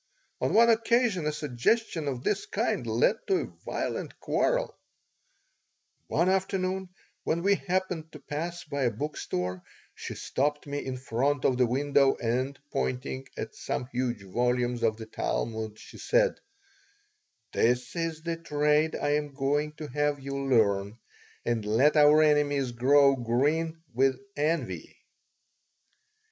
On one occasion a suggestion of this kind led to a violent quarrel One afternoon when we happened to pass by a bookstore she stopped me in front of the window and, pointing at some huge volumes of the Talmud, she said: "This is the trade I am going to have you learn, and let our enemies grow green with envy."